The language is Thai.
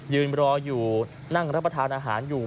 ยืนรออยู่